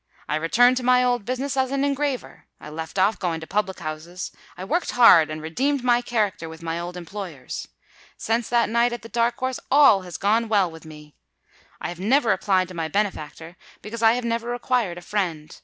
I returned to my old business as an engraver—I left off going to public houses—I worked hard, and redeemed my character with my old employers. Since that night at the Dark House all has gone well with me. I have never applied to my benefactor—because I have never required a friend.